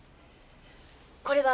これは？